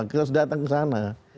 kita harus datang ke sana